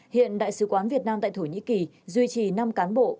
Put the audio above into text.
hiện đại sứ quán việt nam tại thổ nhĩ kỳ duy trì năm cán bộ